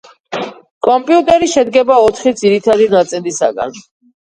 კომპიუტერი შედგება ოთხი ძირითადი ნაწილისაგან.